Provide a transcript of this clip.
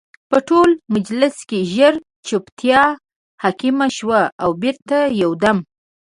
په ټول مجلس کې ژر جوپتیا حاکمه شوه او بېرته یو دم